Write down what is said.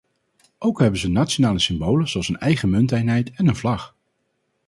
Ook hebben ze nationale symbolen zoals een eigen munteenheid en een vlag.